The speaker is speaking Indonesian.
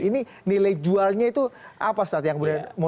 ini nilai jualnya itu apa saat yang mau ditawarkan